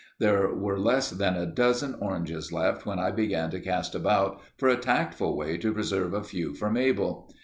There were less than a dozen oranges left when I began to cast about for a tactful way to preserve a few for Mabel.